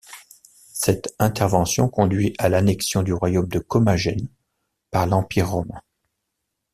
Cette intervention conduit à l'annexion du royaume de Commagène par l'Empire romain.